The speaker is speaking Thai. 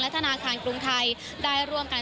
ธนาคารกรุงไทยได้ร่วมกัน